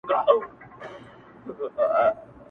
نه رابیا نه فتح خان سته نه برېتونه په شپېلۍ کي!.